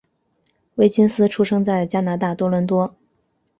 威金斯出生在加拿大多伦多。